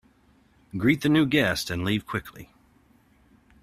Greet the new guests and leave quickly.